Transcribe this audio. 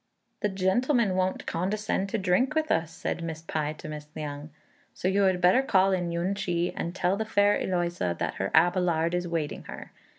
"The gentleman won't condescend to drink with us," said Miss Pai to Miss Liang, "so you had better call in Yün ch'i, and tell the fair Eloïsa that her Abelard is awaiting her."